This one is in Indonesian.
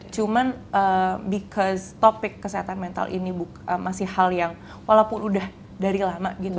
cuman because topik kesehatan mental ini masih hal yang walaupun udah dari lama gitu